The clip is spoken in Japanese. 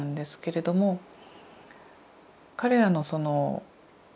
彼らのその。